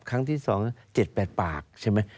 ครั้งที่๒๗๘ปากใช่ไหม